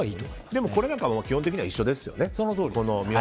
でもこれなんかは基本的には一緒ですよね。